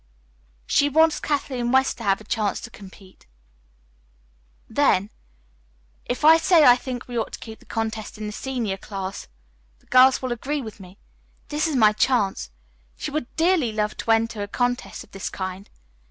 "She wants Kathleen West to have a chance to compete." Then, "If I say I think we ought to keep the contest in the senior class, the girls will agree with me. This is my chance. She would dearly love to enter a contest of this kind.